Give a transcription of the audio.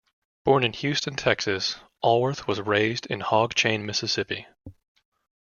Born in Houston, Texas, Alworth was raised in Hog Chain, Mississippi.